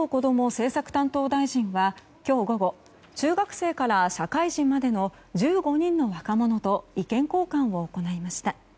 政策担当大臣は今日午後中学生から社会人までの１５人の若者と意見交換を行いました。